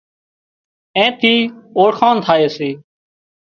اين ٿي اوۯکاڻ ٿائي سي